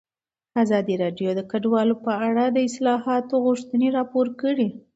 ازادي راډیو د کډوال په اړه د اصلاحاتو غوښتنې راپور کړې.